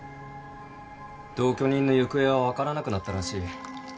同居人の行方は分からなくなったらしい。